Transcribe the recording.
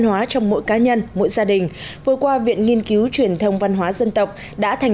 hóa trong mỗi cá nhân mỗi gia đình vừa qua viện nghiên cứu truyền thông văn hóa dân tộc đã thành